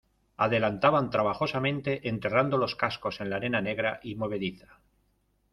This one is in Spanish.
adelantaban trabajosamente enterrando los cascos en la arena negra y movediza.